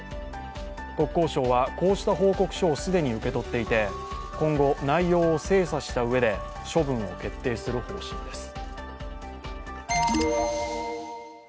国交省はこうした報告書を既に受け取っていて今後、内容を精査したうえで処分を決定する方針です。